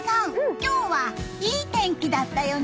今日はいい天気だったよね。